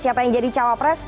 siapa yang jadi cawapres